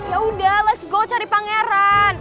yaudah let's go cari pangeran